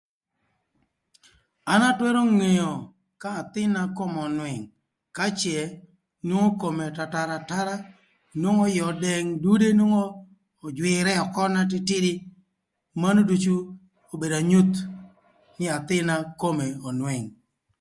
An atwërö ngeo ka athïn na kome önwëng ka cë nwongo kome tatar atara nwongo ïë ödëng, dude nwongo öjwïrë ökö na tïtïdï manu ducu obedo anyuth nï athïn na kome önwëng